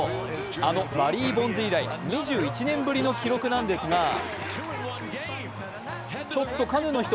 あのバリー・ボンズ以来２１年ぶりの記録なんですがちょっとカヌーの人！